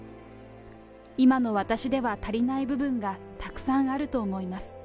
今の私では足りない部分がたくさんあると思います。